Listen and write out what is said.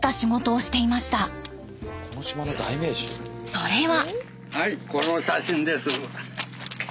それは。